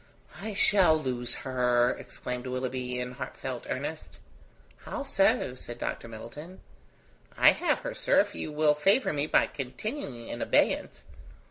"I shall lose her," exclaimed Willoughby, in heartfelt earnest. "How so?" said Dr. Middleton. "I have her, sir, if you will favour me by continuing in abeyance.